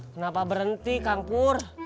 kenapa berhenti kang pur